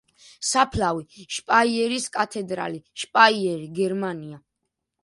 საფლავი: შპაიერის კათედრალი, შპაიერი, გერმანია.